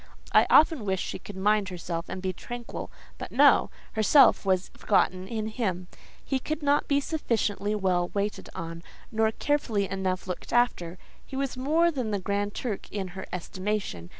I often wished she would mind herself and be tranquil; but no—herself was forgotten in him: he could not be sufficiently well waited on, nor carefully enough looked after; he was more than the Grand Turk in her estimation.